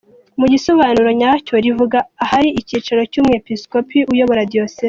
Mu gisobanuro nyacyo, rivuga ahari icyicaro cy’umwepiskopi uyobora diyosezi.